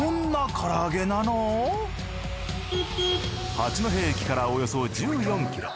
八戸駅からおよそ１４キロ。